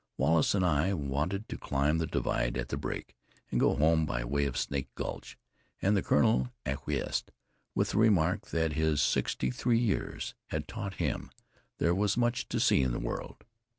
Wallace and I wanted to climb the divide at the break, and go home by way of Snake Gulch, and the Colonel acquiesced with the remark that his sixty three years had taught him there was much to see in the world.